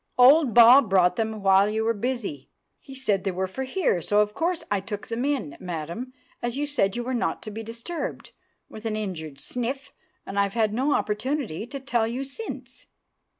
"Old Bob brought them while you were busy. He said they were for here, so of course I took them in, madam, as you said you were not to be disturbed," with an injured sniff, "and I've had no opportunity to tell you since."